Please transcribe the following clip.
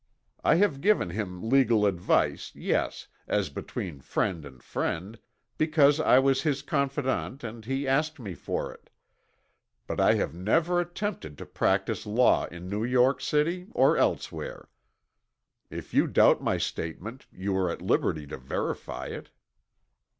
I have given him legal advice, yes, as between friend and friend, because I was his confident and he asked me for it, but I have never attempted to practise law in New York City or elsewhere. If you doubt my statement you are at liberty to verify it."